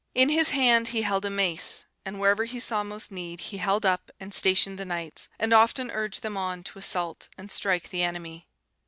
In his hand he held a mace, and wherever he saw most need he held up and stationed the knights, and often urged them on to assault and strike the enemy.